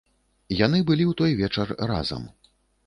Яны былі ў той вечар разам.